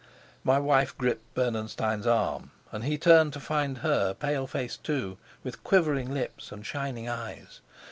My wife gripped Bernenstein's arm, and he turned to find her pale faced too, with quivering lips and shining eyes.